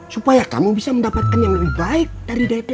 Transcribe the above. supaya kamu bisa mendapatkan yang lebih baik dari dpr